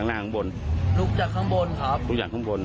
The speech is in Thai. สำหรับวิทยาลัยอาวุธ